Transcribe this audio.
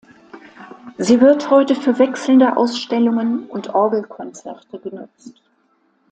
Sie wird heute für wechselnde Ausstellungen und Orgelkonzerte genutzt.